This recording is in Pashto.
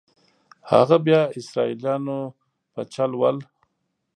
هغه بیا اسرائیلیانو په چل ول.